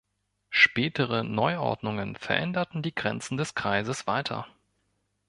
Spätere Neuordnungen veränderten die Grenzen des Kreises weiter.